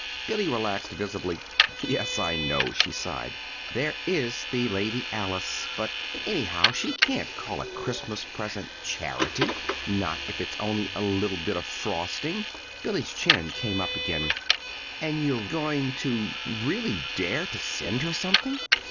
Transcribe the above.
Billy relaxed visibly. "Yes, I know," she sighed. "There is the Lady Alice. But, anyhow, she can't call a Christmas present 'charity' not if it's only a little bit of frosting!" Billy's chin came up again. "And you're going to, really, dare to send her something?"